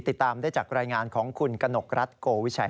ติดตามได้จากรายงานของคุณกนกรัฐโกวิชัย